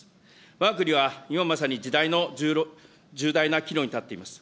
わが国は今まさに、時代の重大な岐路に立っています。